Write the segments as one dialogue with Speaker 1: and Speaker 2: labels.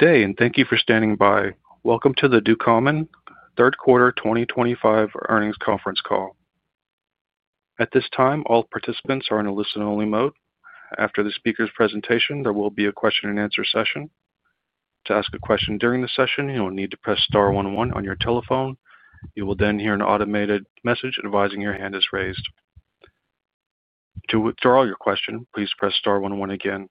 Speaker 1: Good day, and thank you for standing by. Welcome to the Ducommun Third Quarter 2025 earnings conference call. At this time, all participants are in a listen-only mode. After the speaker's presentation, there will be a question-and-answer session. To ask a question during the session, you will need to press Star 11 on your telephone. You will then hear an automated message advising your hand is raised. To withdraw your question, please press Star 11 again.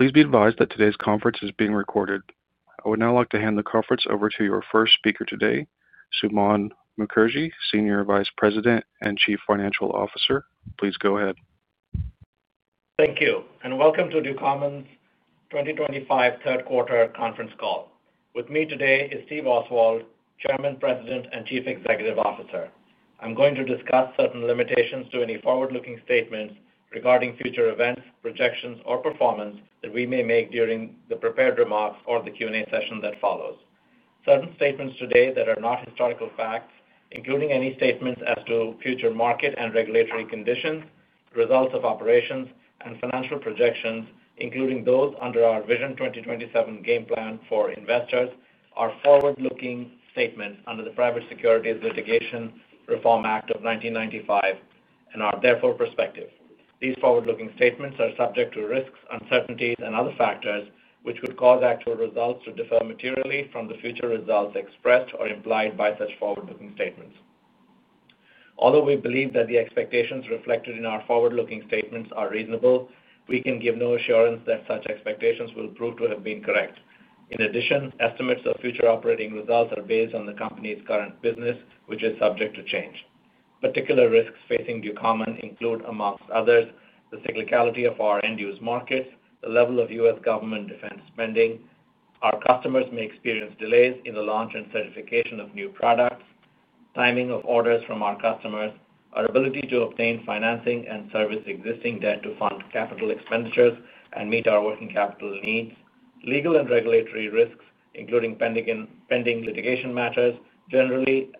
Speaker 1: Please be advised that today's conference is being recorded. I would now like to hand the conference over to your first speaker today, Suman Mookerji, Senior Vice President and Chief Financial Officer. Please go ahead.
Speaker 2: Thank you, and welcome to Ducommun's 2025 Third Quarter Conference Call. With me today is Steve Oswald, Chairman, President, and Chief Executive Officer. I'm going to discuss certain limitations to any forward-looking statements regarding future events, projections, or performance that we may make during the prepared remarks or the Q&A session that follows. Certain statements today that are not historical facts, including any statements as to future market and regulatory conditions, results of operations, and financial projections, including those under our VISION 2027 Game Plan for investors, are forward-looking statements under the Private Securities Litigation Reform Act of 1995 and are therefore prospective. These forward-looking statements are subject to risks, uncertainties, and other factors which could cause actual results to differ materially from the future results expressed or implied by such forward-looking statements. Although we believe that the expectations reflected in our forward-looking statements are reasonable, we can give no assurance that such expectations will prove to have been correct. In addition, estimates of future operating results are based on the company's current business, which is subject to change. Particular risks facing Ducommun include, amongst others, the cyclicality of our end-use markets, the level of U.S. Government defense spending, our customers may experience delays in the launch and certification of new products, timing of orders from our customers, our ability to obtain financing and service existing debt to fund capital expenditures and meet our working capital needs, legal and regulatory risks, including pending litigation matters generally,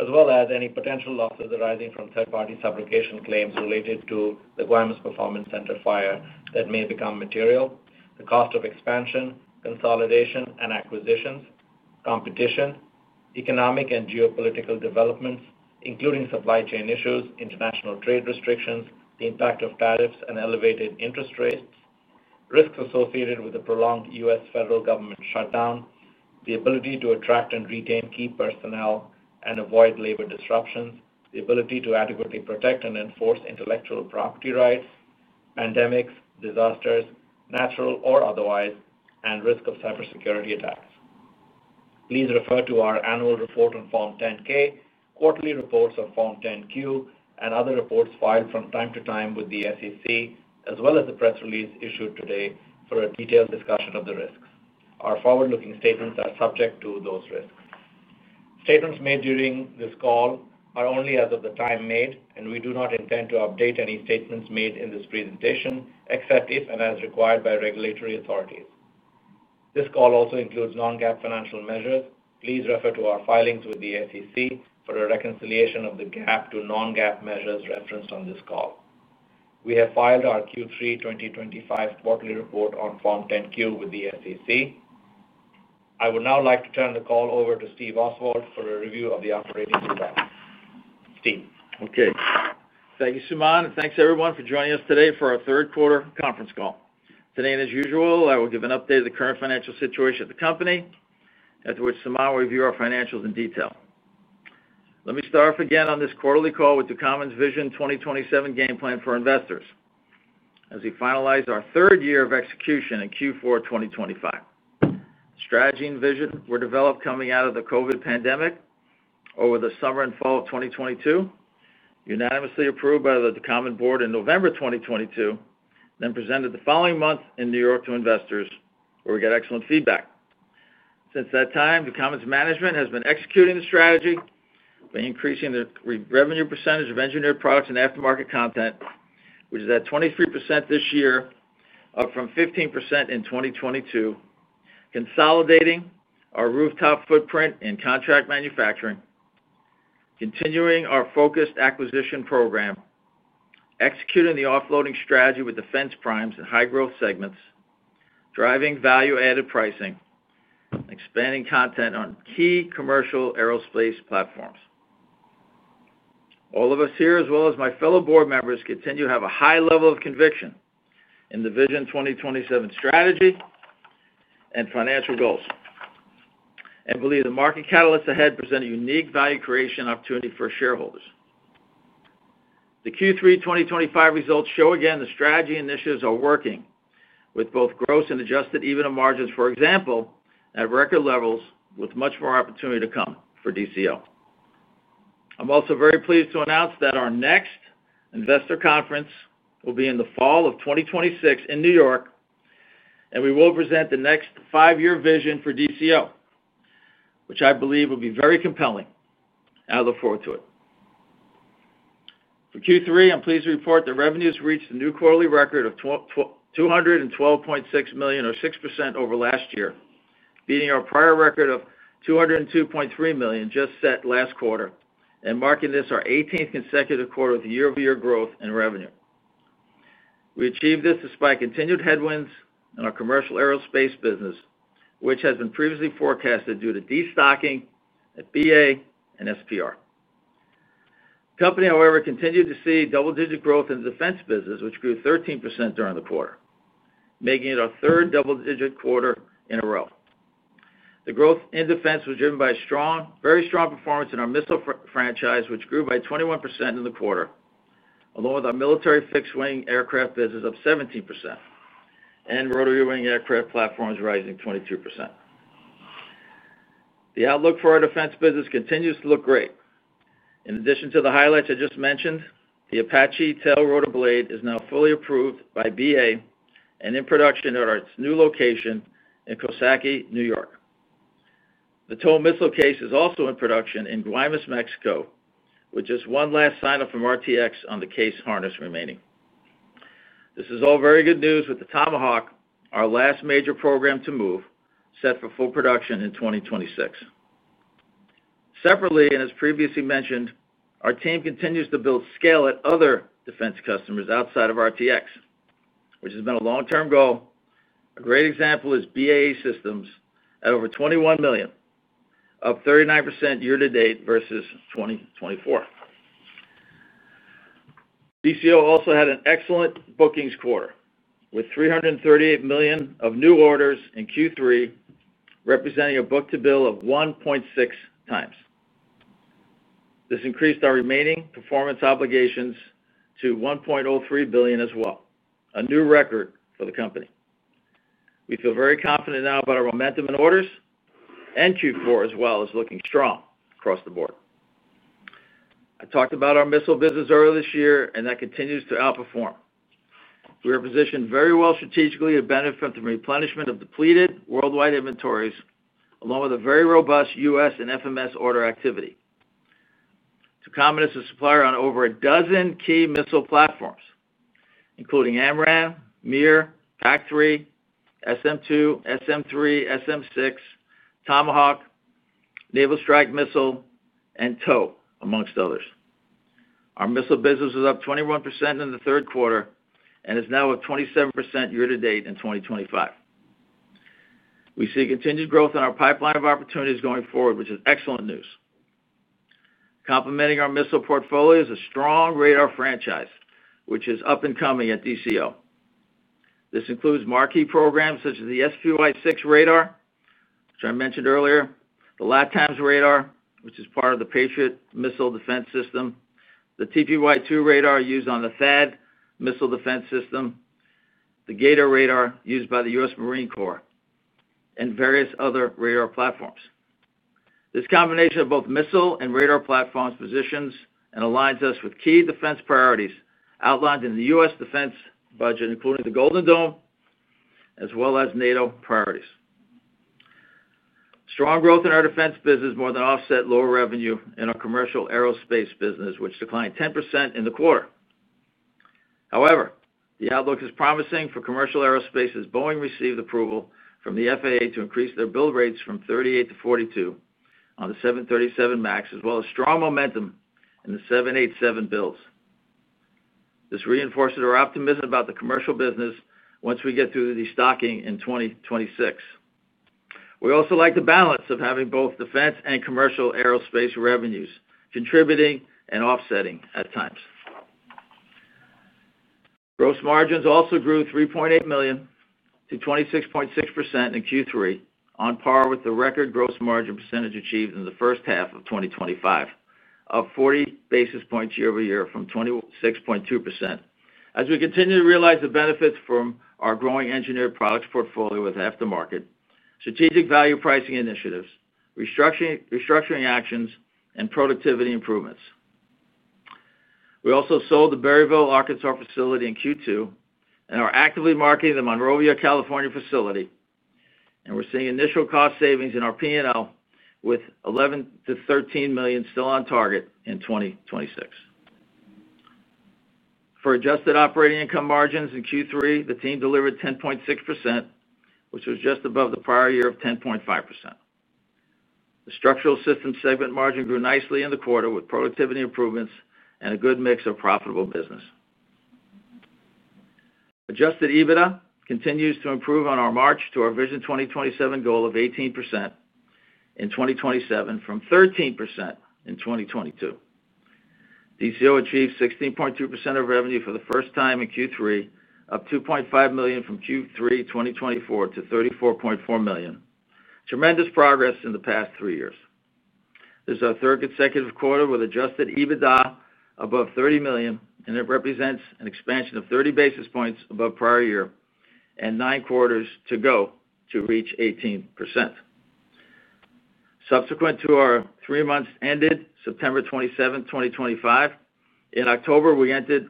Speaker 2: as well as any potential losses arising from third-party subrogation claims related to the Guam's performance center fire that may become material, the cost of expansion, consolidation, and acquisitions, competition, economic and geopolitical developments, including supply chain issues, international trade restrictions, the impact of tariffs and elevated interest rates, risks associated with the prolonged U.S. Federal government shutdown, the ability to attract and retain key personnel and avoid labor disruptions, the ability to adequately protect and enforce intellectual property rights, pandemics, disasters, natural or otherwise, and risk of cybersecurity attacks. Please refer to our annual report on Form 10-K, quarterly reports on Form 10-Q, and other reports filed from time to time with the SEC, as well as the press release issued today for a detailed discussion of the risks. Our forward-looking statements are subject to those risks. Statements made during this call are only as of the time made, and we do not intend to update any statements made in this presentation except if and as required by regulatory authorities. This call also includes non-GAAP financial measures. Please refer to our filings with the SEC for a reconciliation of the GAAP to non-GAAP measures referenced on this call. We have filed our Q3 2025 quarterly report on Form 10-Q with the SEC. I would now like to turn the call over to Steve Oswald for a review of the operating results. Steve.
Speaker 3: Okay. Thank you, Suman, and thanks everyone for joining us today for our third quarter conference call. Today, and as usual, I will give an update of the current financial situation at the company. After which, Suman will review our financials in detail. Let me start off again on this quarterly call with Ducommun's VISION 2027 Game Plan for investors. As we finalize our third year of execution in Q4 2025. The strategy and vision were developed coming out of the COVID pandemic over the summer and fall of 2022. Unanimously approved by the Ducommun board in November 2022, then presented the following month in New York to investors, where we got excellent feedback. Since that time, Ducommun's management has been executing the strategy by increasing the revenue percentage of engineered products and aftermarket content, which is at 23% this year, up from 15% in 2022. Consolidating our rooftop footprint in contract manufacturing. Continuing our focused acquisition program. Executing the offloading strategy with defense primes and high-growth segments, driving value-added pricing. Expanding content on key commercial aerospace platforms. All of us here, as well as my fellow board members, continue to have a high level of conviction in the Vision 2027 strategy and financial goals. We believe the market catalysts ahead present a unique value creation opportunity for shareholders. The Q3 2025 results show again the strategy initiatives are working with both gross and adjusted EBITDA margins, for example, at record levels with much more opportunity to come for DCO. I am also very pleased to announce that our next investor conference will be in the fall of 2026 in New York. We will present the next five-year vision for DCO, which I believe will be very compelling. I look forward to it. For Q3, I'm pleased to report that revenues reached a new quarterly record of $212.6 million, or 6% over last year, beating our prior record of $202.3 million just set last quarter and marking this our 18th consecutive quarter with year-over-year growth in revenue. We achieved this despite continued headwinds in our commercial aerospace business, which has been previously forecasted due to destocking at BA and SPR. The company, however, continued to see double-digit growth in defense business, which grew 13% during the quarter, making it our third double-digit quarter in a row. The growth in defense was driven by a strong, very strong performance in our missile franchise, which grew by 21% in the quarter, along with our military fixed-wing aircraft business of 17%, and rotary-wing aircraft platforms rising 22%. The outlook for our defense business continues to look great. In addition to the highlights I just mentioned, the Apache tail rotor blade is now fully approved by BA and in production at our new location in Coxsackie, New York. The total missile case is also in production in Guaymas, Mexico, with just one last sign-off from RTX on the case harness remaining. This is all very good news with the Tomahawk, our last major program to move, set for full production in 2026. Separately, and as previously mentioned, our team continues to build scale at other defense customers outside of RTX, which has been a long-term goal. A great example is BAE Systems at over $21 million, up 39% year-to-date versus 2024. DCO also had an excellent bookings quarter with $338 million of new orders in Q3, representing a book-to-bill of 1.6 times. This increased our remaining performance obligations to $1.03 billion as well, a new record for the company. We feel very confident now about our momentum in orders and Q4, as well as looking strong across the board. I talked about our missile business earlier this year, and that continues to outperform. We are positioned very well strategically to benefit from the replenishment of depleted worldwide inventories, along with a very robust U.S. and FMS order activity. Ducommun is a supplier on over a dozen key missile platforms, including AMRAAM, MIR, PAC-3, SM-2, SM-3, SM-6, tomahawk, Naval Strike Missile, and TOW, amongst others. Our missile business was up 21% in the third quarter and is now at 27% year-to-date in 2025. We see continued growth in our pipeline of opportunities going forward, which is excellent news. Complementing our missile portfolio is a strong radar franchise, which is up and coming at DCO. This includes marquee programs such as the SPY-6 radar, which I mentioned earlier, the LTAMDS radar, which is part of the Patriot missile defense system, the TPY-2 radar used on the THAAD missile defense system, the G/ATOA radar used by the U.S. Marine Corps, and various other radar platforms. This combination of both missile and radar platforms positions and aligns us with key defense priorities outlined in the U.S. defense budget, including the Golden Dome, as well as NATO priorities. Strong growth in our defense business more than offset low revenue in our commercial aerospace business, which declined 10% in the quarter. However, the outlook is promising for commercial aerospace as Boeing received approval from the FAA to increase their build rates from 38 to 42 on the 737 MAX, as well as strong momentum in the 787 builds. This reinforced our optimism about the commercial business once we get through the destocking in 2026. We also like the balance of having both defense and commercial aerospace revenues contributing and offsetting at times. Gross margins also grew $3.8 million to 26.6% in Q3, on par with the record gross margin percentage achieved in the first half of 2025, up 40 basis points year-over-year from 26.2%. As we continue to realize the benefits from our growing engineered products portfolio with aftermarket, strategic value pricing initiatives, restructuring actions, and productivity improvements. We also sold the Berryville, Arkansas facility in Q2 and are actively marketing the Monrovia, California facility. We are seeing initial cost savings in our P&L with $11 million-$13 million still on target in 2026. For adjusted operating income margins in Q3, the team delivered 10.6%, which was just above the prior year of 10.5%. The structural system segment margin grew nicely in the quarter with productivity improvements and a good mix of profitable business. Adjusted EBITDA continues to improve on our march to our VISION 2027 goal of 18% in 2027 from 13% in 2022. DCO achieved 16.2% of revenue for the first time in Q3, up $2.5 million from Q3 2024 to $34.4 million. Tremendous progress in the past three years. This is our third consecutive quarter with adjusted EBITDA above $30 million, and it represents an expansion of 30 basis points above prior year and nine quarters to go to reach 18%. Subsequent to our three months ended September 27, 2025, in October, we entered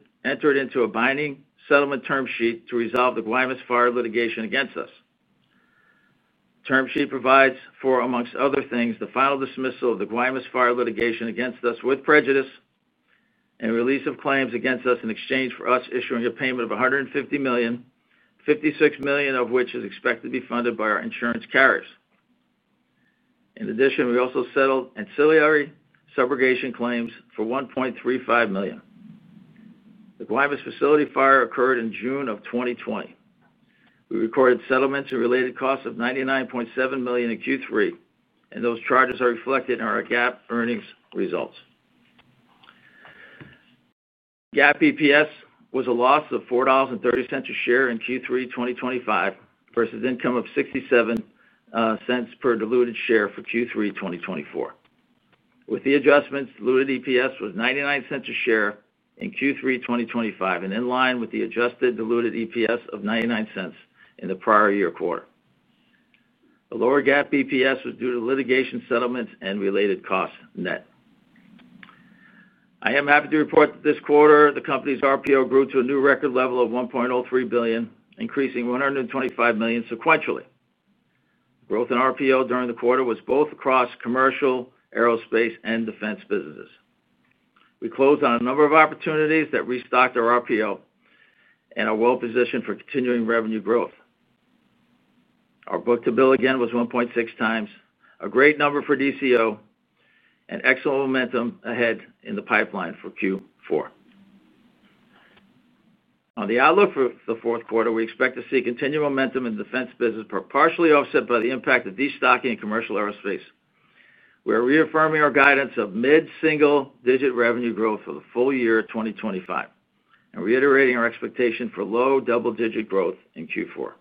Speaker 3: into a binding settlement term sheet to resolve the Guaymas fire litigation against us. The term sheet provides for, amongst other things, the final dismissal of the Guaymas fire litigation against us with prejudice, and release of claims against us in exchange for us issuing a payment of $150 million, $56 million of which is expected to be funded by our insurance carriers. In addition, we also settled ancillary subrogation claims for $1.35 million. The Guaymas facility fire occurred in June of 2020. We recorded settlements and related costs of $99.7 million in Q3, and those charges are reflected in our GAAP earnings results. GAAP EPS was a loss of $4.30 a share in Q3 2025 versus income of $0.67 per diluted share for Q3 2024. With the adjustments, diluted EPS was $0.99 a share in Q3 2025 and in line with the adjusted diluted EPS of $0.99 in the prior year quarter. The lower GAAP EPS was due to litigation settlements and related costs net. I am happy to report that this quarter, the company's RPO grew to a new record level of $1.03 billion, increasing $125 million sequentially. Growth in RPO during the quarter was both across commercial, aerospace, and defense businesses. We closed on a number of opportunities that restocked our RPO. We are well positioned for continuing revenue growth. Our book-to-bill again was 1.6 times, a great number for DCO, and excellent momentum ahead in the pipeline for Q4. On the outlook for the fourth quarter, we expect to see continued momentum in defense business, but partially offset by the impact of destocking in commercial aerospace. We are reaffirming our guidance of mid-single-digit revenue growth for the full year of 2025 and reiterating our expectation for low double-digit growth in Q4.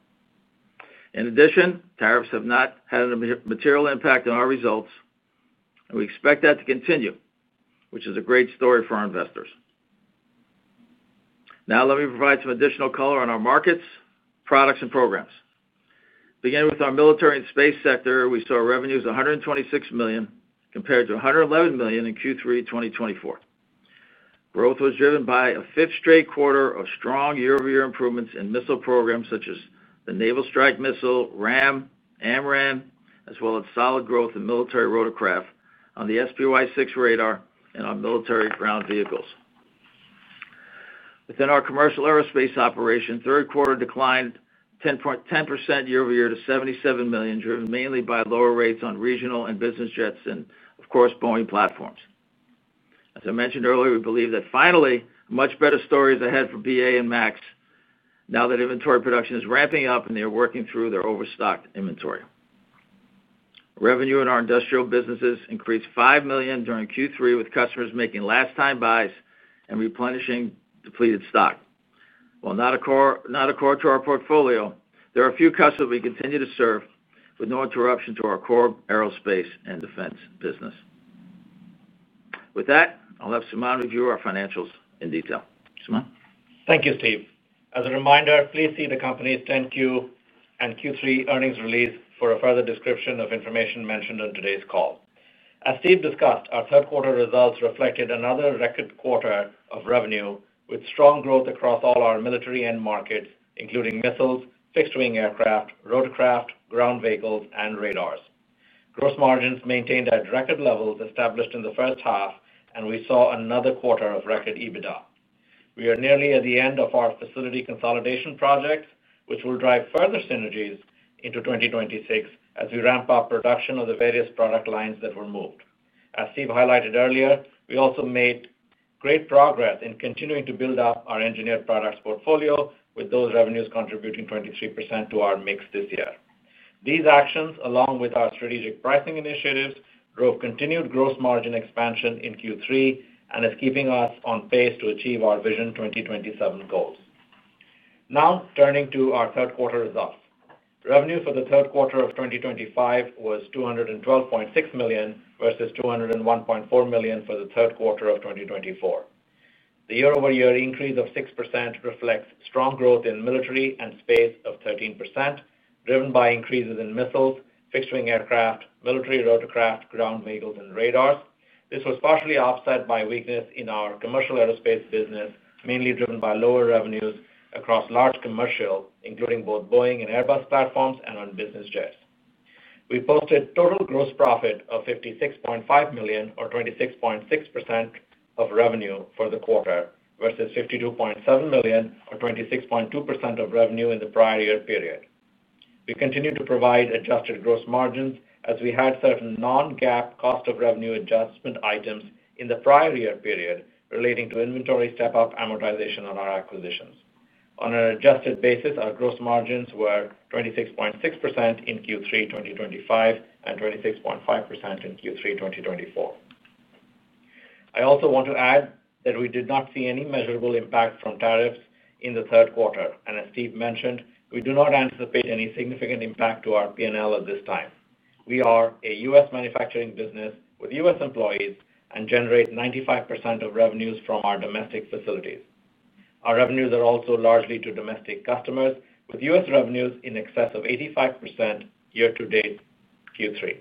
Speaker 3: In addition, tariffs have not had a material impact on our results, and we expect that to continue, which is a great story for our investors. Now, let me provide some additional color on our markets, products, and programs. Beginning with our military and space sector, we saw revenues of $126 million compared to $111 million in Q3 2024. Growth was driven by a fifth straight quarter of strong year-over-year improvements in missile programs such as the Naval Strike Missile, RAM, AMRAAM, as well as solid growth in military rotorcraft on the SPY-6 radar and our military ground vehicles. Within our commercial aerospace operation, third quarter declined 10% year-over-year to $77 million, driven mainly by lower rates on regional and business jets and, of course, Boeing platforms. As I mentioned earlier, we believe that finally, a much better story is ahead for BA and MAX now that inventory production is ramping up and they are working through their overstocked inventory. Revenue in our industrial businesses increased $5 million during Q3, with customers making last-time buys and replenishing depleted stock. While not a core to our portfolio, there are a few customers that we continue to serve with no interruption to our core aerospace and defense business. With that, I'll have Suman review our financials in detail. Suman?
Speaker 2: Thank you, Steve. As a reminder, please see the company's 10-Q and Q3 earnings release for a further description of information mentioned in today's call. As Steve discussed, our third quarter results reflected another record quarter of revenue with strong growth across all our military end markets, including missiles, fixed-wing aircraft, rotorcraft, ground vehicles, and radars. Gross margins maintained at record levels established in the first half, and we saw another quarter of record EBITDA. We are nearly at the end of our facility consolidation projects, which will drive further synergies into 2026 as we ramp up production of the various product lines that were moved. As Steve highlighted earlier, we also made great progress in continuing to build up our engineered products portfolio, with those revenues contributing 23% to our mix this year. These actions, along with our strategic pricing initiatives, drove continued gross margin expansion in Q3 and is keeping us on pace to achieve our VISION 2027 goals. Now, turning to our third quarter results. Revenue for the third quarter of 2025 was $212.6 million versus $201.4 million for the third quarter of 2024. The year-over-year increase of 6% reflects strong growth in military and space of 13%, driven by increases in missiles, fixed-wing aircraft, military rotorcraft, ground vehicles, and radars. This was partially offset by weakness in our commercial aerospace business, mainly driven by lower revenues across large commercial, including both Boeing and Airbus platforms, and on business jets. We posted total gross profit of $56.5 million, or 26.6% of revenue for the quarter, versus $52.7 million, or 26.2% of revenue in the prior year period. We continue to provide adjusted gross margins as we had certain non-GAAP cost of revenue adjustment items in the prior year period relating to inventory step-up amortization on our acquisitions. On an adjusted basis, our gross margins were 26.6% in Q3 2025 and 26.5% in Q3 2024. I also want to add that we did not see any measurable impact from tariffs in the third quarter. As Steve mentioned, we do not anticipate any significant impact to our P&L at this time. We are a U.S. manufacturing business with U.S. employees and generate 95% of revenues from our domestic facilities. Our revenues are also largely to domestic customers, with U.S. revenues in excess of 85% year-to-date Q3.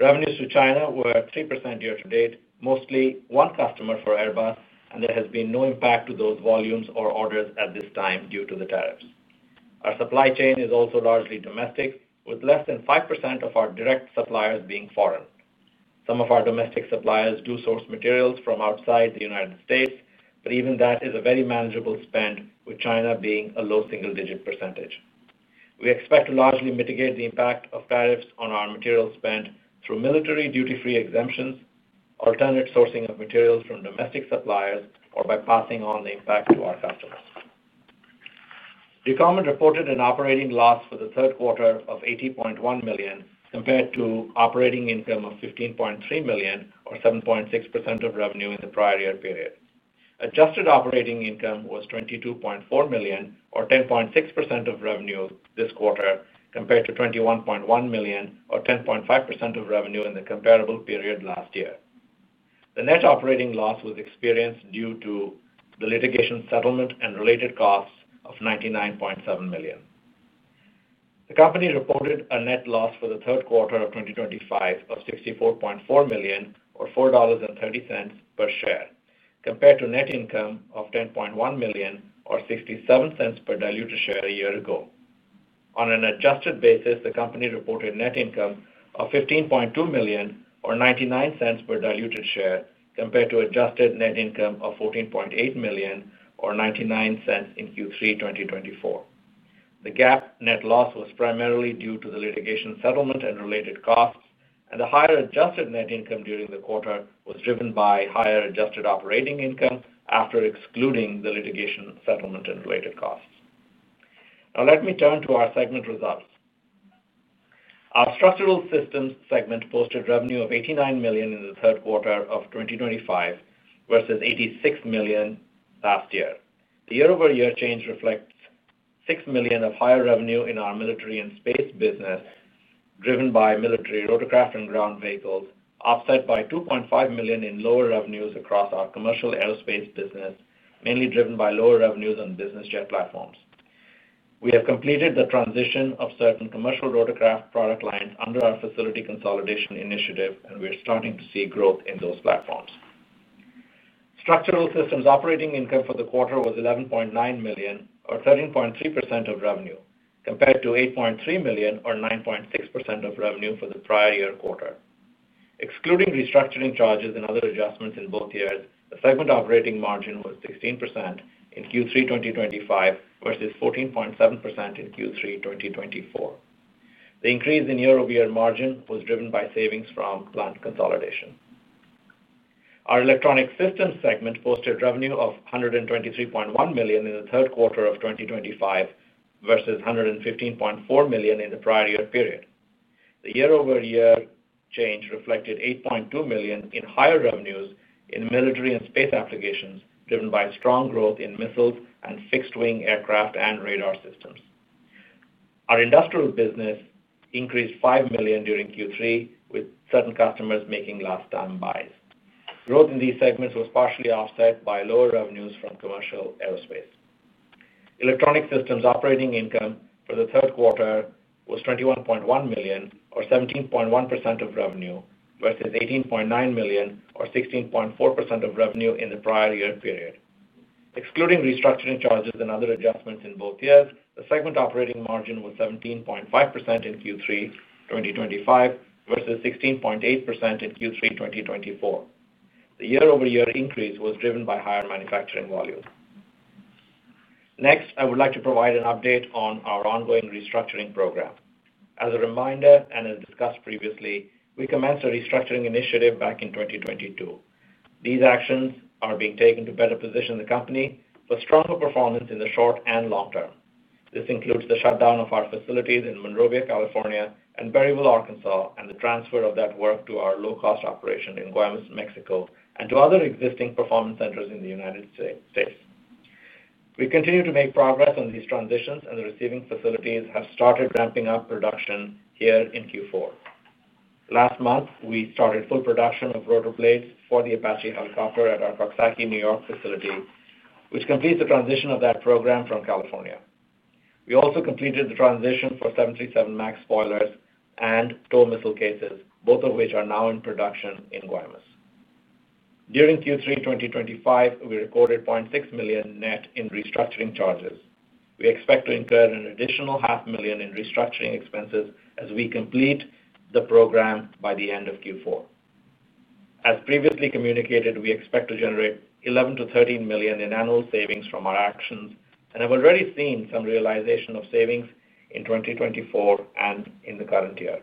Speaker 2: Revenues to China were 3% year-to-date, mostly one customer for Airbus, and there has been no impact to those volumes or orders at this time due to the tariffs. Our supply chain is also largely domestic, with less than 5% of our direct suppliers being foreign. Some of our domestic suppliers do source materials from outside the United States, but even that is a very manageable spend, with China being a low single-digit percentage. We expect to largely mitigate the impact of tariffs on our material spend through military duty-free exemptions, alternate sourcing of materials from domestic suppliers, or by passing on the impact to our customers. Ducommun reported an operating loss for the third quarter of $80.1 million compared to operating income of $15.3 million, or 7.6% of revenue in the prior year period. Adjusted operating income was $22.4 million, or 10.6% of revenue this quarter, compared to $21.1 million, or 10.5% of revenue in the comparable period last year. The net operating loss was experienced due to the litigation settlement and related costs of $99.7 million. The company reported a net loss for the third quarter of 2025 of $64.4 million, or $4.30 per share, compared to net income of $10.1 million, or $0.67 per diluted share a year ago. On an adjusted basis, the company reported net income of $15.2 million, or $0.99 per diluted share, compared to adjusted net income of $14.8 million, or $0.99 in Q3 2024. The GAAP net loss was primarily due to the litigation settlement and related costs, and the higher adjusted net income during the quarter was driven by higher adjusted operating income after excluding the litigation settlement and related costs. Now, let me turn to our segment results. Our Structural Systems segment posted revenue of $89 million in the third quarter of 2025 versus $86 million last year. The year-over-year change reflects $6 million of higher revenue in our military and space business, driven by military rotorcraft and ground vehicles, offset by $2.5 million in lower revenues across our commercial aerospace business, mainly driven by lower revenues on business jet platforms. We have completed the transition of certain commercial rotorcraft product lines under our facility consolidation initiative, and we are starting to see growth in those platforms. Structural systems operating income for the quarter was $11.9 million, or 13.3% of revenue, compared to $8.3 million, or 9.6% of revenue for the prior year quarter. Excluding restructuring charges and other adjustments in both years, the segment operating margin was 16% in Q3 2025 versus 14.7% in Q3 2024. The increase in year-over-year margin was driven by savings from plant consolidation. Our Electronic Systems segment posted revenue of $123.1 million in the third quarter of 2025 versus $115.4 million in the prior year period. The year-over-year change reflected $8.2 million in higher revenues in military and space applications, driven by strong growth in missiles and fixed-wing aircraft and radar systems. Our industrial business increased $5 million during Q3, with certain customers making last-time buys. Growth in these segments was partially offset by lower revenues from commercial aerospace. Electronic Systems operating income for the third quarter was $21.1 million, or 17.1% of revenue, versus $18.9 million, or 16.4% of revenue in the prior year period. Excluding restructuring charges and other adjustments in both years, the segment operating margin was 17.5% in Q3 2025 versus 16.8% in Q3 2024. The year-over-year increase was driven by higher manufacturing volumes. Next, I would like to provide an update on our ongoing restructuring program. As a reminder and as discussed previously, we commenced a restructuring initiative back in 2022. These actions are being taken to better position the company for stronger performance in the short and long term. This includes the shutdown of our facilities in Monrovia, California, and Berryville, Arkansas, and the transfer of that work to our low-cost operation in Guaymas, Mexico, and to other existing performance centers in the United States. We continue to make progress on these transitions, and the receiving facilities have started ramping up production here in Q4. Last month, we started full production of rotor blades for the Apache helicopter at our Coxsackie, New York, facility, which completes the transition of that program from California. We also completed the transition for 737 MAX boilers and TOW missile cases, both of which are now in production in Guaymas. During Q3 2025, we recorded $600,000 net in restructuring charges. We expect to incur an additional $500,000 in restructuring expenses as we complete the program by the end of Q4. As previously communicated, we expect to generate $11 million-$13 million in annual savings from our actions and have already seen some realization of savings in 2024 and in the current year.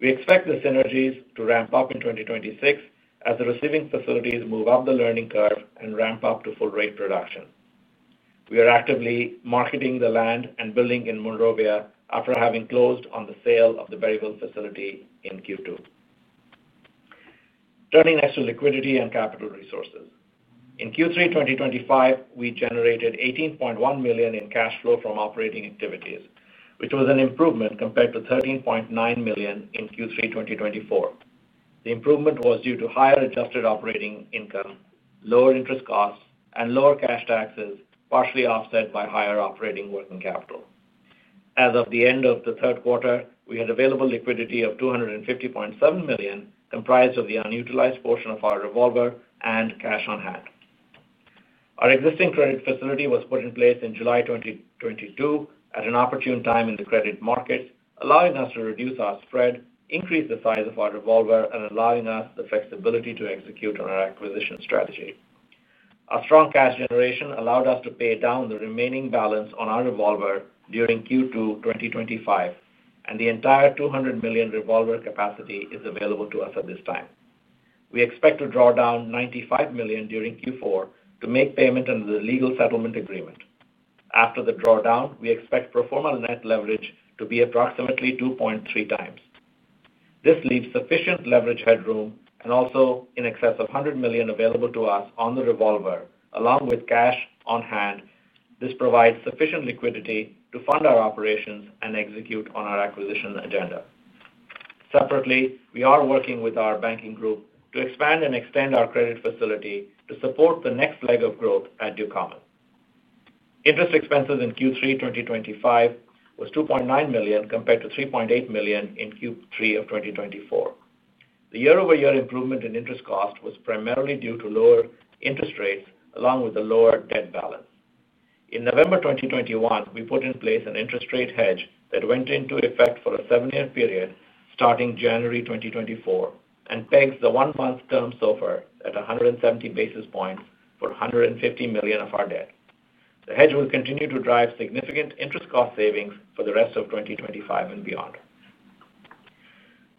Speaker 2: We expect the synergies to ramp up in 2026 as the receiving facilities move up the learning curve and ramp up to full-rate production. We are actively marketing the land and building in Monrovia after having closed on the sale of the Berryville facility in Q2. Turning next to liquidity and capital resources. In Q3 2025, we generated $18.1 million in cash flow from operating activities, which was an improvement compared to $13.9 million in Q3 2024. The improvement was due to higher adjusted operating income, lower interest costs, and lower cash taxes, partially offset by higher operating working capital. As of the end of the third quarter, we had available liquidity of $250.7 million, comprised of the unutilized portion of our revolver and cash on hand. Our existing credit facility was put in place in July 2022 at an opportune time in the credit markets, allowing us to reduce our spread, increase the size of our revolver, and allowing us the flexibility to execute on our acquisition strategy. Our strong cash generation allowed us to pay down the remaining balance on our revolver during Q2 2025, and the entire $200 million revolver capacity is available to us at this time. We expect to draw down $95 million during Q4 to make payment under the legal settlement agreement. After the drawdown, we expect pro forma net leverage to be approximately 2.3 times. This leaves sufficient leverage headroom and also in excess of $100 million available to us on the revolver, along with cash on hand. This provides sufficient liquidity to fund our operations and execute on our acquisition agenda. Separately, we are working with our banking group to expand and extend our credit facility to support the next leg of growth at Ducommun. Interest expenses in Q3 2025 were $2.9 million compared to $3.8 million in Q3 of 2024. The year-over-year improvement in interest cost was primarily due to lower interest rates, along with a lower debt balance. In November 2021, we put in place an interest rate hedge that went into effect for a seven-year period starting January 2024 and pegs the one-month term so far at 170 basis points for $150 million of our debt. The hedge will continue to drive significant interest cost savings for the rest of 2025 and beyond.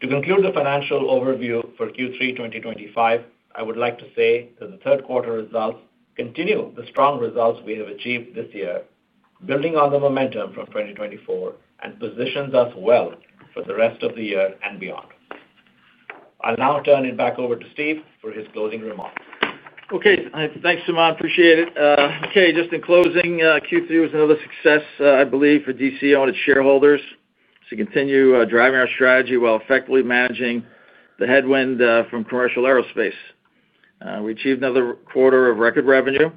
Speaker 2: To conclude the financial overview for Q3 2025, I would like to say that the third quarter results continue the strong results we have achieved this year, building on the momentum from 2024 and positions us well for the rest of the year and beyond. I'll now turn it back over to Steve for his closing remarks.
Speaker 3: Okay. Thanks, Suman. Appreciate it. Okay. Just in closing, Q3 was another success, I believe, for Ducommun shareholders to continue driving our strategy while effectively managing the headwind from commercial aerospace. We achieved another quarter of record revenue.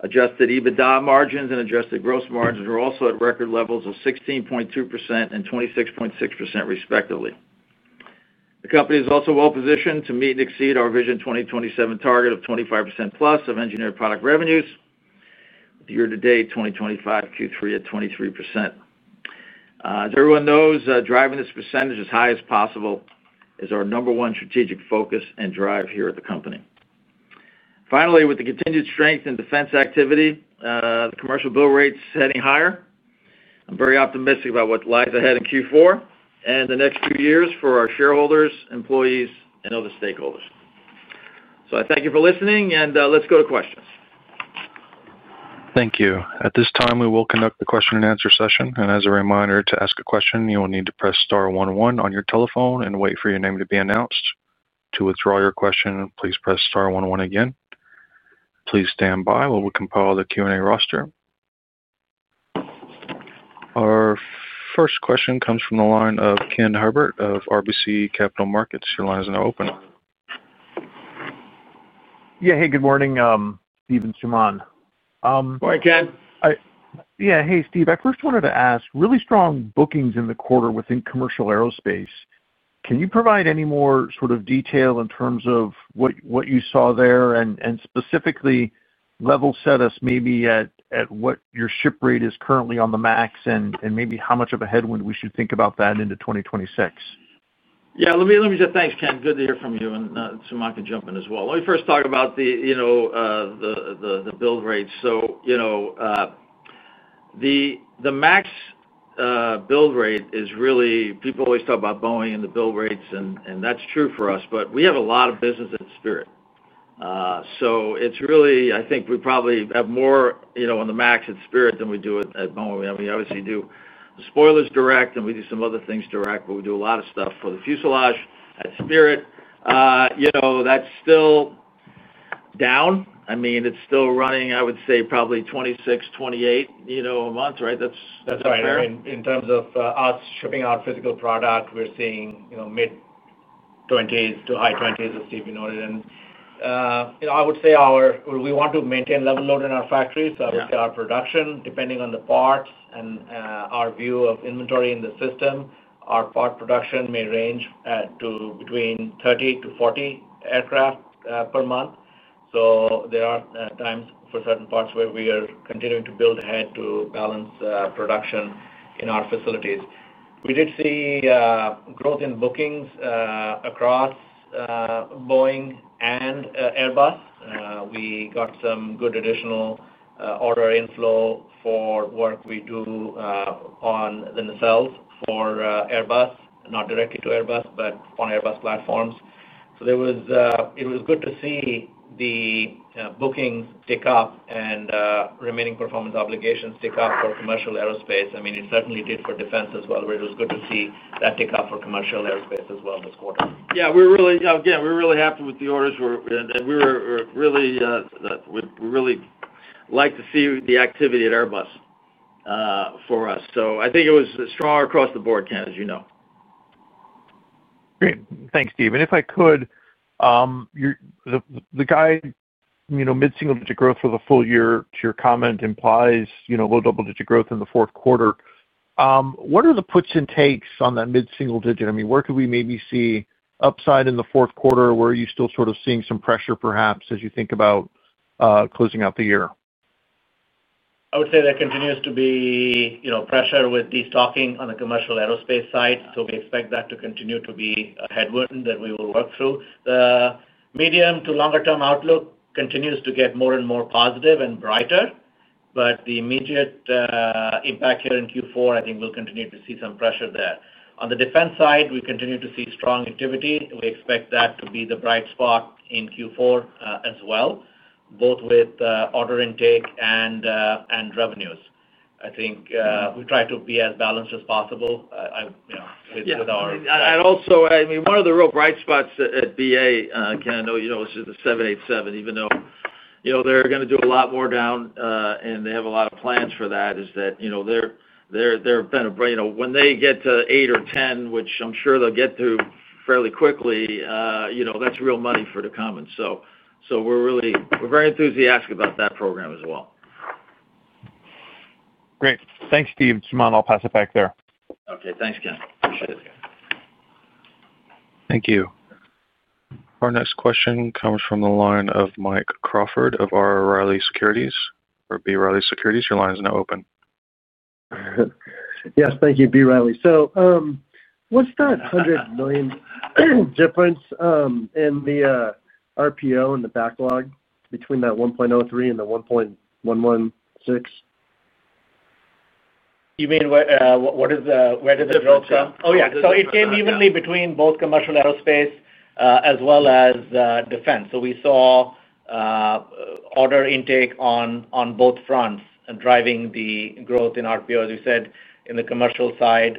Speaker 3: Adjusted EBITDA margins and adjusted gross margins were also at record levels of 16.2% and 26.6%, respectively. The company is also well-positioned to meet and exceed our VISION 2027 target of 25% plus of engineered product revenues. Year-to-date 2025 Q3 at 23%. As everyone knows, driving this percentage as high as possible is our number one strategic focus and drive here at the company. Finally, with the continued strength in defense activity, the commercial bill rate is heading higher. I'm very optimistic about what lies ahead in Q4 and the next few years for our shareholders, employees, and other stakeholders. I thank you for listening, and let's go to questions.
Speaker 1: Thank you. At this time, we will conduct the question-and-answer session. As a reminder, to ask a question, you will need to press star 11 on your telephone and wait for your name to be announced. To withdraw your question, please press star 11 again. Please stand by while we compile the Q&A roster. Our first question comes from the line of Ken Herbert of RBC Capital Markets. Your line is now open.
Speaker 4: Yeah. Hey, good morning, Steve and Suman. Morning, Ken. Yeah. Hey, Steve. I first wanted to ask, really strong bookings in the quarter within commercial aerospace. Can you provide any more sort of detail in terms of what you saw there and specifically level set us maybe at what your ship rate is currently on the MAX and maybe how much of a headwind we should think about that into 2026?
Speaker 3: Yeah. Let me just say thanks, Ken. Good to hear from you and Suman can jump in as well. Let me first talk about the build rates. The MAX build rate is really, people always talk about Boeing and the build rates, and that's true for us, but we have a lot of business at Spirit. It's really, I think we probably have more on the MAX at Spirit than we do at Boeing. I mean, we obviously do spoilers direct, and we do some other things direct, but we do a lot of stuff for the fuselage at Spirit. That's still down. I mean, it's still running, I would say, probably 26-28 a month, right? That's fair.
Speaker 2: In terms of us shipping our physical product, we're seeing mid-20s to high 20s, as Steve noted. I would say we want to maintain level load in our factories. I would say our production, depending on the parts and our view of inventory in the system, our part production may range between 30-40 aircraft per month. There are times for certain parts where we are continuing to build ahead to balance production in our facilities. We did see growth in bookings across Boeing and Airbus. We got some good additional order inflow for work we do. On the nacelles for Airbus, not directly to Airbus, but on Airbus platforms. It was good to see the bookings tick up and remaining performance obligations tick up for commercial aerospace. I mean, it certainly did for defense as well, but it was good to see that tick up for commercial aerospace as well this quarter.
Speaker 3: Yeah. Again, we're really happy with the orders. We really like to see the activity at Airbus for us. I think it was strong across the board, Ken, as you know.
Speaker 4: Great. Thanks, Steve. If I could, the guide, mid-single digit growth for the full year, to your comment, implies low double-digit growth in the fourth quarter. What are the puts and takes on that mid-single digit? I mean, where could we maybe see upside in the fourth quarter? Where are you still sort of seeing some pressure, perhaps, as you think about closing out the year?
Speaker 2: I would say there continues to be pressure with destocking on the commercial aerospace side. We expect that to continue to be a headwind that we will work through. The medium to longer-term outlook continues to get more and more positive and brighter. The immediate impact here in Q4, I think we will continue to see some pressure there. On the defense side, we continue to see strong activity. We expect that to be the bright spot in Q4 as well, both with order intake and revenues. I think we try to be as balanced as possible. With our—
Speaker 3: I mean, one of the real bright spots at BA, Ken, I know you know this is the 787, even though they're going to do a lot more down, and they have a lot of plans for that, is that. They're kind of—when they get to 8 or 10, which I'm sure they'll get to fairly quickly, that's real money for Ducommun. So we're very enthusiastic about that program as well.
Speaker 4: Great. Thanks, Steve. Suman, I'll pass it back there.
Speaker 3: Okay. Thanks, Ken. Appreciate it.
Speaker 1: Thank you. Our next question comes from the line of Mike Crawford of B. Riley Securities. Your line is now open.
Speaker 5: Yes. Thank you, B. Riley Securities. So. What's that $100 million difference in the RPO and the backlog between that $1.03 billion and the $1.116 billion?
Speaker 2: You mean where did the growth come? Oh, yeah. It came evenly between both commercial aerospace as well as defense. We saw order intake on both fronts driving the growth in RPO. As we said, in the commercial side,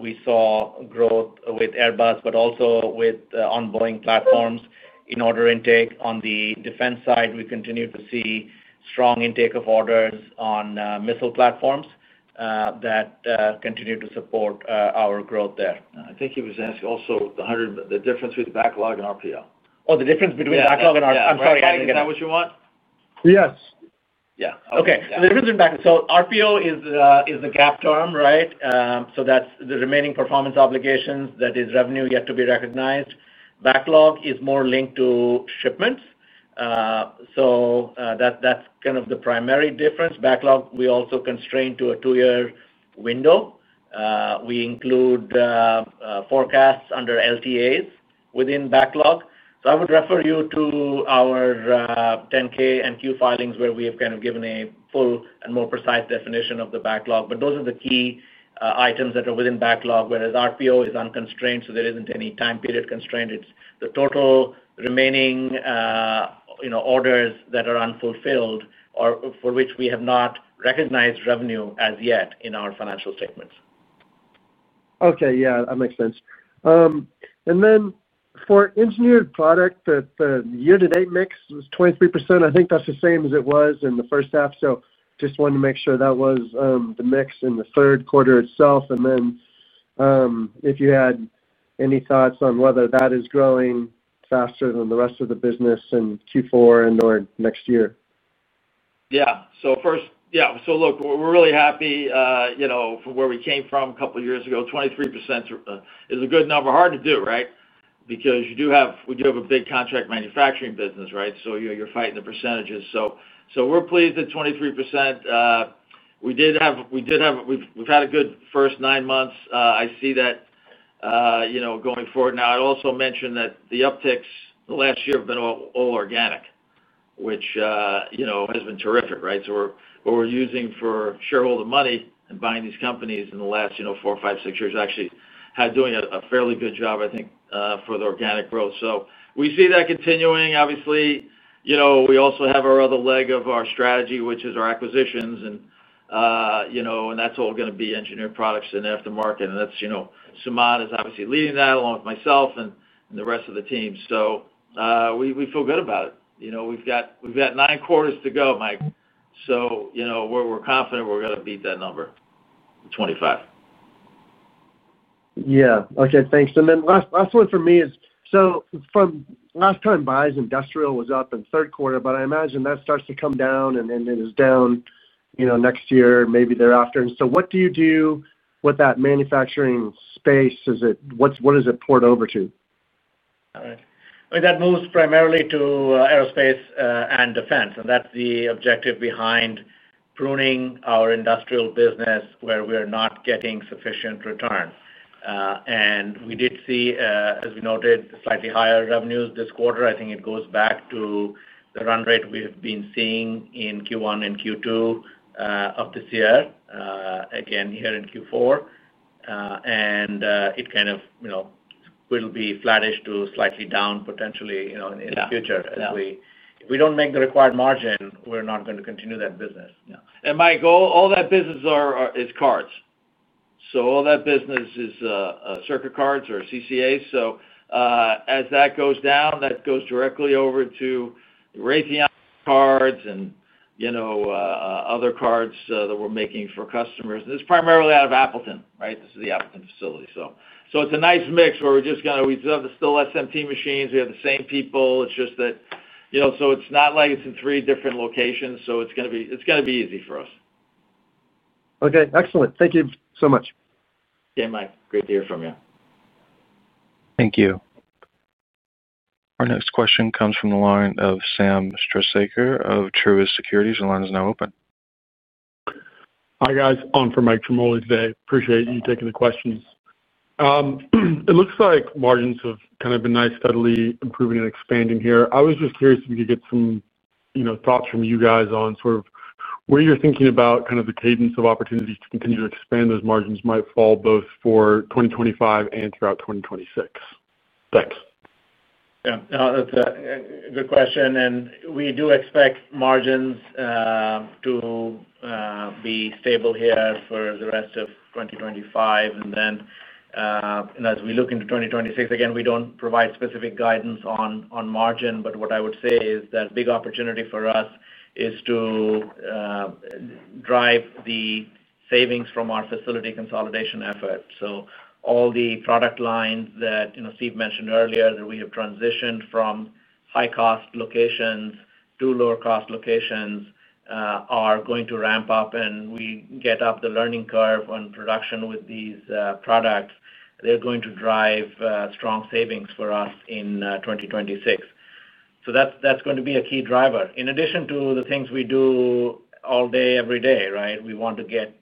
Speaker 2: we saw growth with Airbus, but also with on-boarding platforms in order intake. On the defense side, we continue to see strong intake of orders on missile platforms that continue to support our growth there.
Speaker 3: I think he was asking also the difference between the backlog and RPO.
Speaker 2: Oh, the difference between backlog and RPO.
Speaker 3: I'm sorry. Is that what you want?
Speaker 5: Yes.
Speaker 2: Yeah. Okay. The difference in backlog—so RPO is the GAAP term, right? That is the remaining performance obligations that is revenue yet to be recognized. Backlog is more linked to shipments. That is kind of the primary difference. Backlog, we also constrain to a two-year window. We include forecasts under LTAs within backlog. I would refer you to our 10-K and Q filings where we have kind of given a full and more precise definition of the backlog. Those are the key items that are within backlog, whereas RPO is unconstrained, so there is not any time period constraint. It is the total remaining orders that are unfulfilled or for which we have not recognized revenue as yet in our financial statements.
Speaker 5: Okay. Yeah. That makes sense. For Engineered Products, the year-to-date mix was 23%. I think that is the same as it was in the first half. I just wanted to make sure that was the mix in the third quarter itself. If you had any thoughts on whether that is growing faster than the rest of the business in Q4 and/or next year.
Speaker 3: Yeah. We are really happy. For where we came from a couple of years ago, 23% is a good number. Hard to do, right? Because we do have a big contract manufacturing business, right? So you're fighting the percentages. We're pleased that 23%. We did have—we've had a good first nine months. I see that. Going forward now. I'd also mention that the upticks the last year have been all organic, which has been terrific, right? What we're using for shareholder money and buying these companies in the last four, five, six years actually had doing a fairly good job, I think, for the organic growth. We see that continuing. Obviously. We also have our other leg of our strategy, which is our acquisitions. That's all going to be engineered products and aftermarket. Suman is obviously leading that along with myself and the rest of the team. We feel good about it. We've got 9 quarters to go, Mike. We're confident we're going to beat that number. Twenty-five.
Speaker 5: Yeah. Okay. Thanks. Last one for me is, from last time, Buys Industrial was up in third quarter, but I imagine that starts to come down, and it is down. Next year, maybe thereafter. What do you do with that manufacturing space? What does it port over to?
Speaker 2: That moves primarily to aerospace and defense. That's the objective behind pruning our industrial business where we are not getting sufficient return. We did see, as we noted, slightly higher revenues this quarter. I think it goes back to the run rate we've been seeing in Q1 and Q2 of this year, again here in Q4. It kind of will be flattish to slightly down potentially in the future. If we don't make the required margin, we're not going to continue that business.
Speaker 3: Yeah. And Mike, all that business is cards. All that business is Circa cards or CCAs. As that goes down, that goes directly over to Raytheon cards and other cards that we're making for customers. It's primarily out of Appleton, right? This is the Appleton facility. It's a nice mix where we just kind of—we still have the SMT machines. We have the same people. It's just that it's not like it's in three different locations. It's going to be easy for us.
Speaker 5: Okay. Excellent. Thank you so much.
Speaker 3: Okay, Mike. Great to hear from you.
Speaker 1: Thank you. Our next question comes from the line of Sam Struhsaker of Truist Securities. The line is now open.
Speaker 6: Hi, guys. On for Mike Ciarmoli today. Appreciate you taking the questions. It looks like margins have kind of been nice, steadily improving and expanding here. I was just curious if we could get some thoughts from you guys on sort of where you're thinking about kind of the cadence of opportunities to continue to expand those margins might fall both for 2025 and throughout 2026. Thanks.
Speaker 2: Yeah. That's a good question. We do expect margins to be stable here for the rest of 2025. As we look into 2026, again, we don't provide specific guidance on margin, but what I would say is that big opportunity for us is to drive the savings from our facility consolidation effort. All the product lines that Steve mentioned earlier that we have transitioned from high-cost locations to lower-cost locations are going to ramp up, and we get up the learning curve on production with these products. They're going to drive strong savings for us in 2026. That's going to be a key driver. In addition to the things we do all day, every day, right? We want to get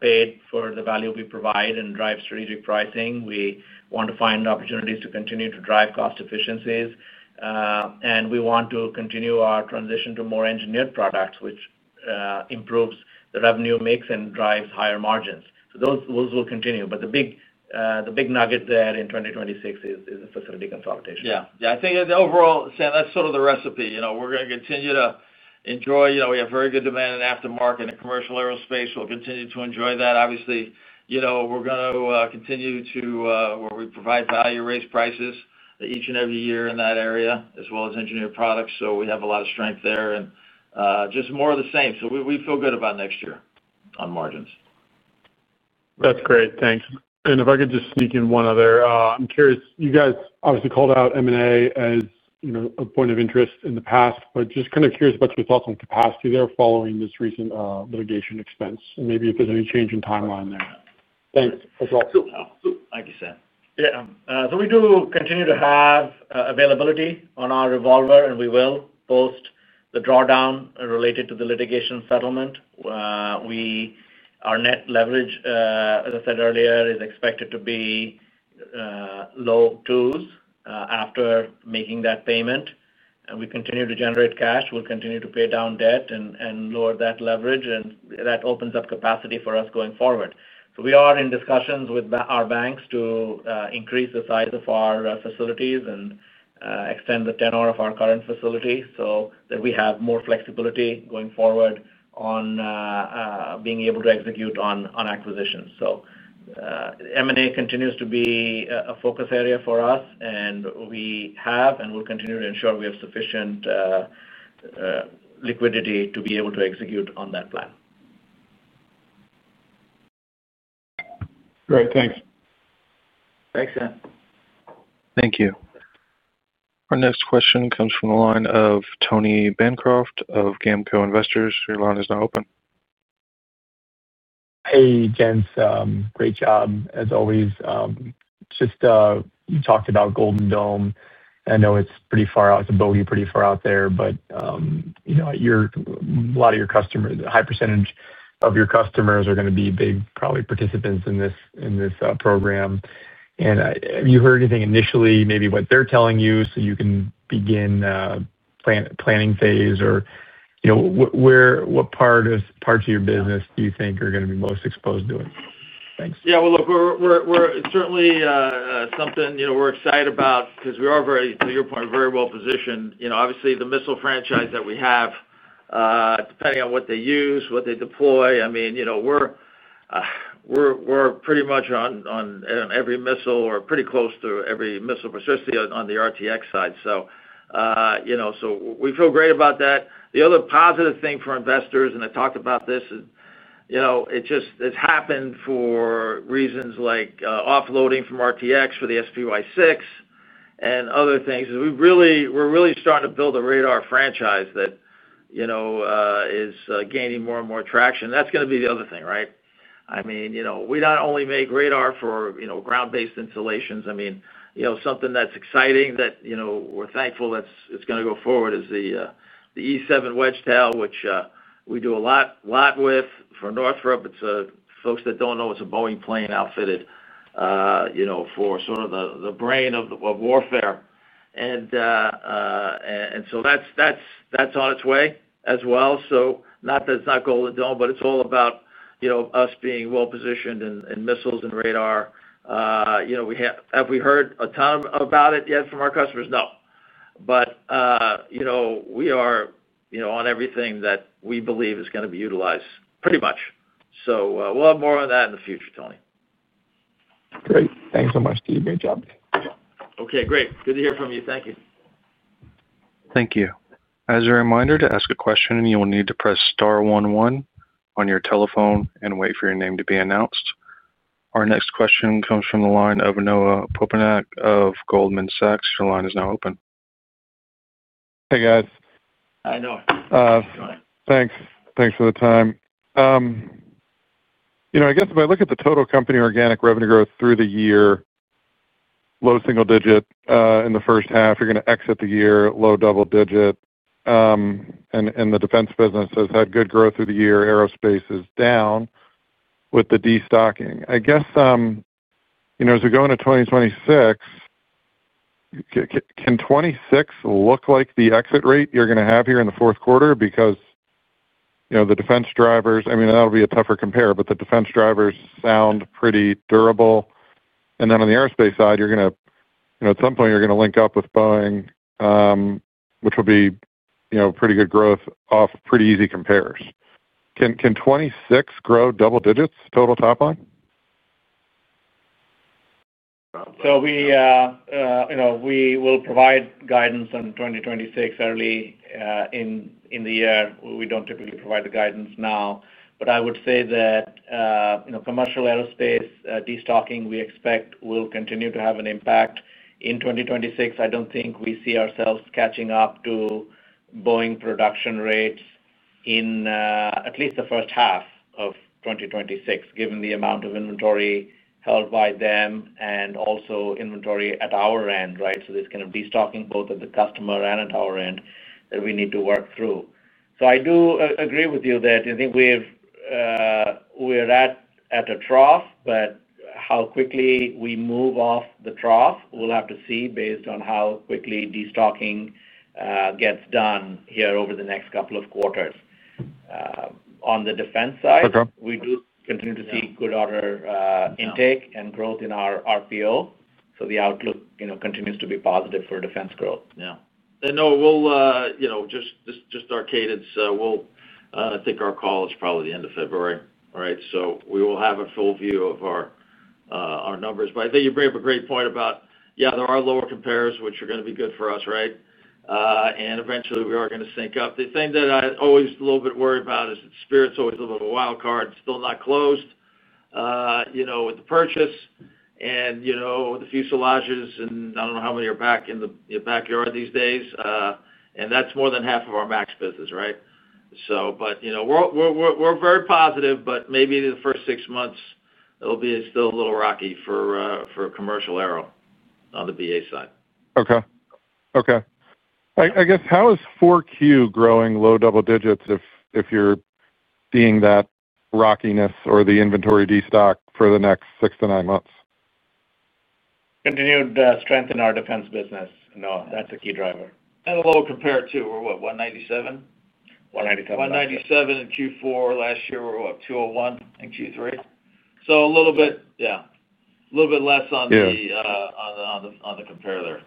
Speaker 2: paid for the value we provide and drive strategic pricing. We want to find opportunities to continue to drive cost efficiencies. We want to continue our transition to more engineered products, which improves the revenue mix and drives higher margins. Those will continue. The big nugget there in 2026 is the facility consolidation.
Speaker 3: Yeah. I think overall, Sam, that's sort of the recipe. We're going to continue to enjoy—we have very good demand in aftermarket and commercial aerospace. We'll continue to enjoy that. Obviously, we're going to continue to—where we provide value, raise prices each and every year in that area, as well as engineered products. We have a lot of strength there and just more of the same. We feel good about next year on margins.
Speaker 6: That's great. Thanks. If I could just sneak in one other, I'm curious, you guys obviously called out M&A as a point of interest in the past, but just kind of curious about your thoughts on capacity there following this recent litigation expense, and maybe if there's any change in timeline there. Thanks. That's all.
Speaker 3: Thank you, Sam.
Speaker 2: Yeah. We do continue to have availability on our revolver, and we will post the drawdown related to the litigation settlement. Our net leverage, as I said earlier, is expected to be low twos after making that payment. We continue to generate cash. We'll continue to pay down debt and lower that leverage, and that opens up capacity for us going forward. We are in discussions with our banks to increase the size of our facilities and extend the tenor of our current facility so that we have more flexibility going forward on being able to execute on acquisitions. M&A continues to be a focus area for us, and we have and will continue to ensure we have sufficient liquidity to be able to execute on that plan.
Speaker 6: Great. Thanks.
Speaker 3: Thanks, Sam.
Speaker 1: Thank you. Our next question comes from the line of Tony Bancroft of GAMCO Investors. Your line is now open.
Speaker 7: Hey, Gents. Great job, as always. You talked about Golden Dome. I know it's pretty far out. It's a bogey pretty far out there, but a lot of your customers, a high percentage of your customers are going to be big, probably, participants in this program. Have you heard anything initially, maybe what they're telling you so you can begin planning phase? What parts of your business do you think are going to be most exposed to it?
Speaker 3: Thanks. Yeah, we're certainly something we're excited about because we are, to your point, very well positioned. Obviously, the missile franchise that we have, depending on what they use, what they deploy, I mean, we're pretty much on every missile or pretty close to every missile, especially on the RTX side. We feel great about that. The other positive thing for investors—and I talked about this—is it's happened for reasons like offloading from RTX for the SPY-6. And other things. We're really starting to build a radar franchise that is gaining more and more traction. That's going to be the other thing, right? I mean, we not only make radar for ground-based installations. I mean, something that's exciting that we're thankful that's going to go forward is the E-7 Wedgetail, which we do a lot with for Northrop. It's folks that don't know it's a Boeing plane outfitted for sort of the brain of warfare. And so that's on its way as well. Not that it's not Golden Dome, but it's all about us being well-positioned in missiles and radar. Have we heard a ton about it yet from our customers? No. But we are on everything that we believe is going to be utilized pretty much. We'll have more on that in the future, Tony.
Speaker 7: Great. Thanks so much, Steve. Great job.
Speaker 3: Okay. Great. Good to hear from you. Thank you.
Speaker 1: Thank you. As a reminder, to ask a question, you will need to press star 11 on your telephone and wait for your name to be announced. Our next question comes from the line of Noah Poponak of Goldman Sachs. Your line is now open.
Speaker 8: Hey, guys.
Speaker 3: Hi, Noah.
Speaker 8: Thanks. Thanks for the time. I guess if I look at the total company organic revenue growth through the year, low single digit in the first half, you're going to exit the year, low double digit. And the defense business has had good growth through the year. Aerospace is down. With the destocking. I guess. As we go into 2026. Can 26 look like the exit rate you're going to have here in the fourth quarter? Because the defense drivers, I mean, that'll be a tougher compare, but the defense drivers sound pretty durable. On the aerospace side, you're going to—at some point, you're going to link up with Boeing. Which will be pretty good growth off pretty easy compares. Can 2026 grow double digits, total top line?
Speaker 2: We will provide guidance on 2026 early in the year. We do not typically provide the guidance now. I would say that commercial aerospace destocking, we expect, will continue to have an impact in 2026. I do not think we see ourselves catching up to Boeing production rates in at least the first half of 2026, given the amount of inventory held by them and also inventory at our end, right? This kind of destocking both at the customer and at our end that we need to work through. I do agree with you that I think we're. At a trough, but how quickly we move off the trough, we'll have to see based on how quickly destocking gets done here over the next couple of quarters. On the defense side, we do continue to see good order intake and growth in our RPO. The outlook continues to be positive for defense growth. Yeah.
Speaker 3: And no, we'll—just our cadence—we'll think our call is probably the end of February, right? We will have a full view of our numbers. I think you bring up a great point about, yeah, there are lower compares, which are going to be good for us, right? Eventually, we are going to sync up. The thing that I always a little bit worry about is that Spirit's always a little bit of a wild card and still not closed. With the purchase and with the fuselages and I don't know how many are back in the backyard these days. And that's more than half of our MAX business, right? But. We're very positive, but maybe the first six months, it'll be still a little rocky for commercial aero on the BA side.
Speaker 8: Okay. Okay. I guess, how is Q4 growing low double digits if you're seeing that rockiness or the inventory destock for the next six to nine months?
Speaker 2: Continued strength in our defense business. No, that's a key driver.
Speaker 3: And a low compare to, what, 197?
Speaker 2: 197.
Speaker 3: 197 in Q4 last year. We were up 201 in Q3. So a little bit—yeah. A little bit less on the. Compare there.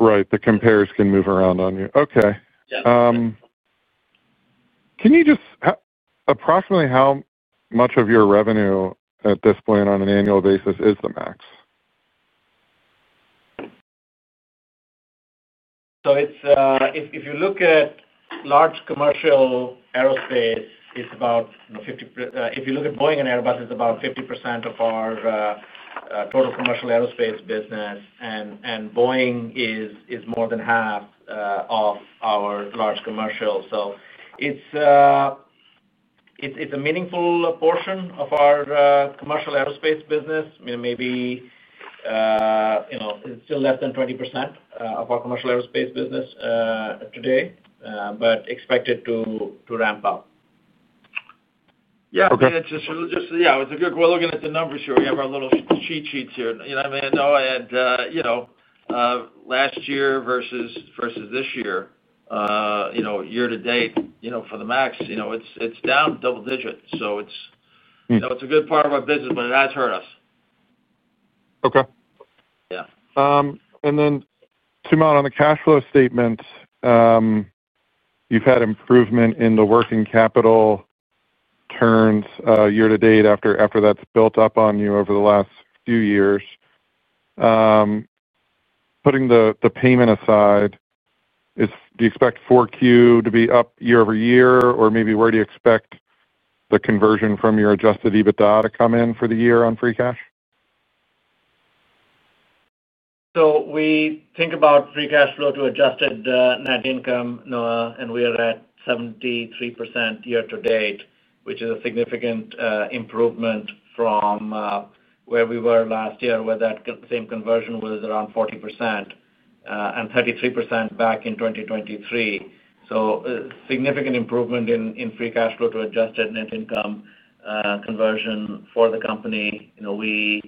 Speaker 8: Right. The compares can move around on you. Okay. Can you just. Approximately how much of your revenue at this point on an annual basis is the MAX?
Speaker 2: If you look at large commercial aerospace, it's about 50%—if you look at Boeing and Airbus, it's about 50% of our total commercial aerospace business. And Boeing is more than half of our large commercial. So it's a meaningful portion of our commercial aerospace business. Maybe it's still less than 20% of our commercial aerospace business today, but expected to ramp up.
Speaker 8: Yeah.
Speaker 3: I mean, it's just—yeah, it's a good—we're looking at the numbers here. We have our little cheat sheets here. You know what I mean? Last year versus this year, year to date for the MAX, it's down double digits. So it's a good part of our business, but it has hurt us.
Speaker 8: Okay. And then, Suman, on the cash flow statement. You've had improvement in the working capital turns year to date after that's built up on you over the last few years. Putting the payment aside, do you expect 4Q to be up year over year, or maybe where do you expect the conversion from your adjusted EBITDA to come in for the year on free cash?
Speaker 2: We think about free cash flow to adjusted net income, Noah, and we are at 73% year to date, which is a significant improvement from where we were last year, where that same conversion was around 40%, and 33% back in 2023. Significant improvement in free cash flow to adjusted net income conversion for the company. We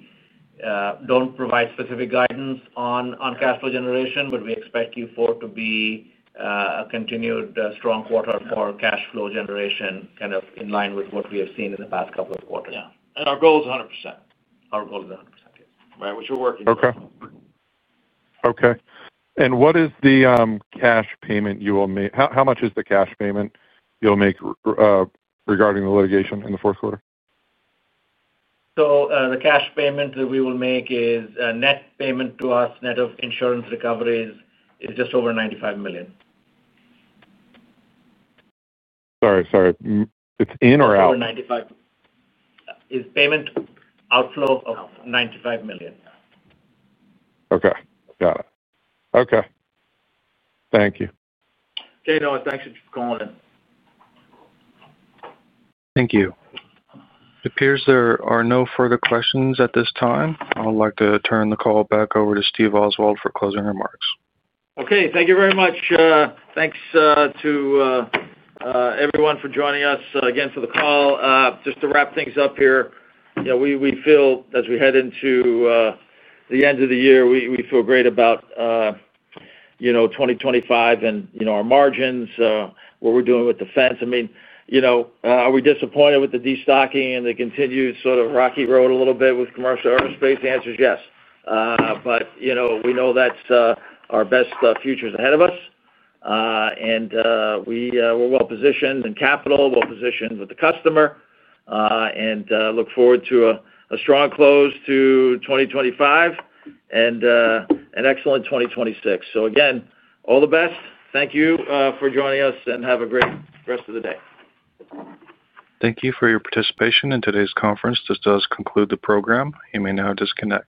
Speaker 2: do not provide specific guidance on cash flow generation, but we expect Q4 to be a continued strong quarter for cash flow generation, kind of in line with what we have seen in the past couple of quarters.
Speaker 3: Yeah. Our goal is 100%.
Speaker 2: Our goal is 100%, yes.
Speaker 3: Right, which we are working towards.
Speaker 8: Okay. Okay. What is the cash payment you will make? How much is the cash payment you'll make regarding the litigation in the fourth quarter?
Speaker 2: The cash payment that we will make is net payment to us, net of insurance recoveries, is just over $95 million.
Speaker 8: Sorry. Sorry. Is it in or out?
Speaker 2: Over $95 million is payment outflow of $95 million.
Speaker 8: Okay. Got it. Okay. Thank you.
Speaker 3: Okay. No, thanks for calling.
Speaker 1: Thank you. It appears there are no further questions at this time. I'd like to turn the call back over to Steve Oswald for closing remarks.
Speaker 3: Okay. Thank you very much. Thanks to everyone for joining us again for the call. Just to wrap things up here, we feel as we head into the end of the year, we feel great about 2025 and our margins, what we're doing with defense. I mean. Are we disappointed with the destocking and the continued sort of rocky road a little bit with commercial aerospace? The answer is yes. We know that our best future is ahead of us. We are well-positioned in capital, well-positioned with the customer, and look forward to a strong close to 2025 and an excellent 2026. Again, all the best. Thank you for joining us, and have a great rest of the day. Thank you for your participation in today's conference. This does conclude the program. You may now disconnect.